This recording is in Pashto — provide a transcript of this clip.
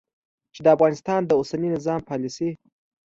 چې د افغانستان د اوسني نظام پالیسي